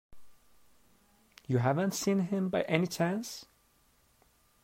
You haven't seen him, by any chance?